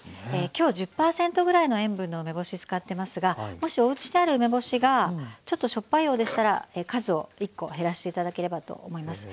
今日１０％ぐらいの塩分の梅干し使ってますがもしおうちにある梅干しがちょっとしょっぱいようでしたら数を１コ減らして頂ければと思います。